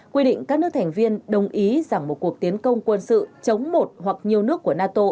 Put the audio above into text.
quy định các nước thành viên đồng ý rằng một cuộc tiến công quân sự chống một hoặc nhiều nước của nato